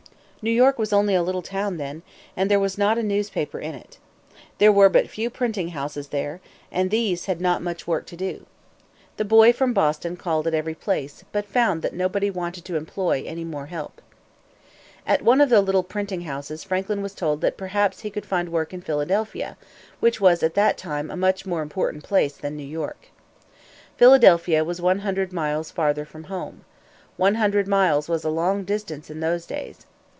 New York was only a little town then, and there was not a newspaper in it. There were but a few printing houses there, and these had not much work to do. The boy from Boston called at every place, but he found that nobody wanted to employ any more help. At one of the little printing houses Franklin was told that perhaps he could find work in Philadelphia, which was at that time a much more important place than New York. Philadelphia was one hundred miles farther from home. One hundred miles was a long distance in those days.